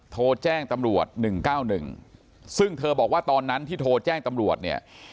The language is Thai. โทรแจ้งตำรวจ๑๙๑ซึ่งเธอบอกว่าตอนนั้นที่โทรแจ้งตำรวจเนี่ย